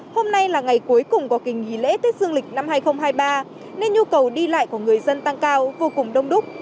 hôm nay là ngày cuối cùng của kỳ nghỉ lễ tết dương lịch năm hai nghìn hai mươi ba nên nhu cầu đi lại của người dân tăng cao vô cùng đông đúc